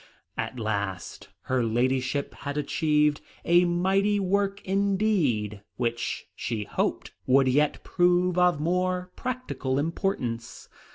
At last, her Ladyship had achieved a mighty work, indeed, which she hoped would yet prove of more practical importance.